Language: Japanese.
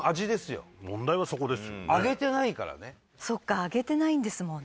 そっか揚げてないんですもんね。